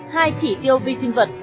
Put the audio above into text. hai chỉ tiêu vi sinh vật